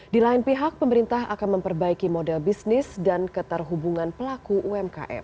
di lain pihak pemerintah akan memperbaiki model bisnis dan keterhubungan pelaku umkm